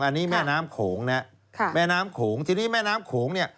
อันนี้แม่น้ำโขงนะแม่น้ำโขงทีนี้แม่น้ำโขงเนี่ย